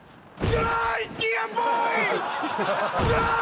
うわ！